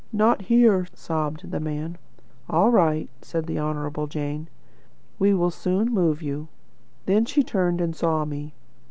'Not here,' sobbed the man. 'All right,' said the Honourable Jane; 'we will soon move you.' Then she turned and saw me.